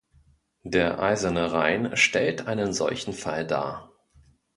Der Eiserne Rhein stellt einen solchen Fall dar.